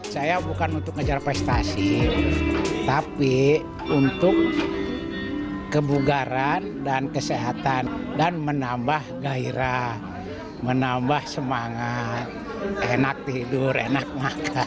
saya bukan untuk ngejar prestasi tapi untuk kebugaran dan kesehatan dan menambah gairah menambah semangat enak tidur enak makan